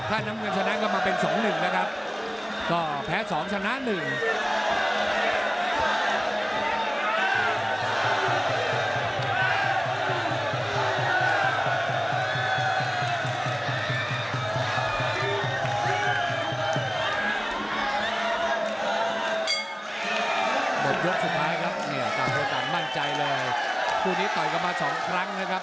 ถ้าน้ำเงินชนะกันมาเป็น๒๑นะครับก็แพ้๒ชนะ๑